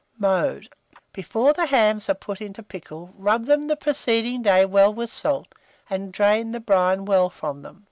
Mode. Before the hams are put into pickle, rub them the preceding day well with salt, and drain the brine well from them.